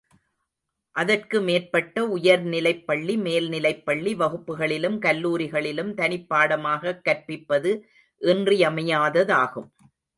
அதற்கு மேற்பட்ட உயர்நிலைப்பள்ளி மேல்நிலைப்பள்ளி வகுப்புகளிலும் கல்லூரிகளிலும் தனிப்பாடமாகக் கற்பிப்பது இன்றியமையாததாகும்.